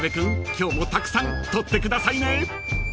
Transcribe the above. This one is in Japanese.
今日もたくさん撮ってくださいね］